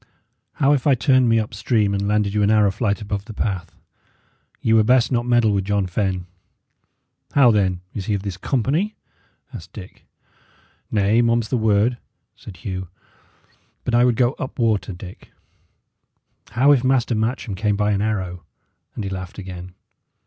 How if I turned me up stream and landed you an arrow flight above the path? Ye were best not meddle with John Fenne." "How, then? is he of this company?" asked Dick. "Nay, mum is the word," said Hugh. "But I would go up water, Dick. How if Master Matcham came by an arrow?" and he laughed again.